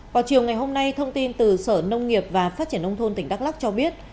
vào chiều ngày hôm nay thông tin từ sở nông nghiệp và phát triển nông thôn tỉnh đắk lắc cho biết